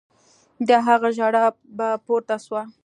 د هغه ژړا به پورته سوه.